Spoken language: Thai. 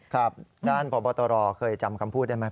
ครับด้านพบตรเคยจำคำพูดได้ไหม